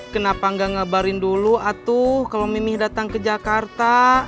kenapa nggak ngabarin dulu atu kalau mimih datang ke jakarta